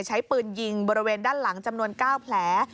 ใช้ปืนยิงบริเวณด้านหลังจำนวน๙แผล